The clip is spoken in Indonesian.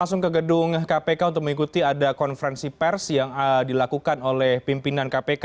langsung ke gedung kpk untuk mengikuti ada konferensi pers yang dilakukan oleh pimpinan kpk